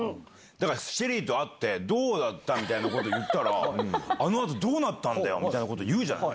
だから、ＳＨＥＬＬＹと会って、どうだったみたいなこと言ったら、あのあとどうなったんだよみたいなこと言うじゃない。